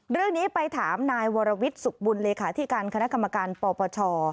เรื่องนี้ไปถามนายวรวิทย์สุขบุญเลขาธิการคณะกรรมการปปช